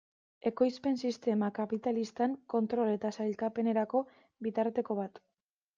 Ekoizpen sistema kapitalistan, kontrol eta sailkapenerako bitarteko bat.